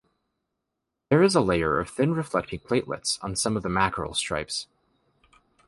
There is a layer of thin reflecting platelets on some of the mackerel stripes.